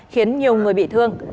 khiến nhiều người bị thương